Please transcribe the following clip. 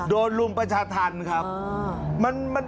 โดนลุงประชาธิภาพ